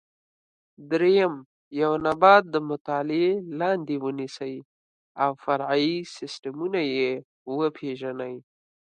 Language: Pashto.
درېیم: یو نبات د مطالعې لاندې ونیسئ او فرعي سیسټمونه یې وپېژنئ.